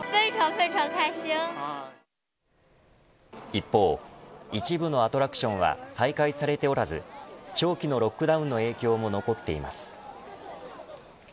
一方、一部のアトラクションは再開されておらず長期のロックダウンの影響も残っています。